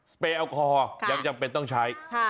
เปลคอร์ยังจำเป็นต้องใช้